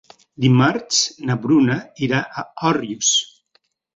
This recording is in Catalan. Dimarts na Bruna irà a Òrrius.